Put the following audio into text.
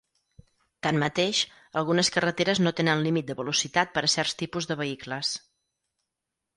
Tanmateix, algunes carreteres no tenen límit de velocitat per a certs tipus de vehicles.